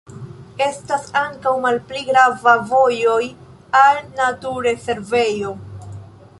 Estas ankaŭ malpli grava vojo al naturrezervejo.